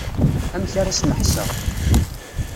Amek ara smeḥseɣ.